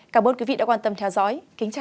cảm ơn quý vị đã quan tâm theo dõi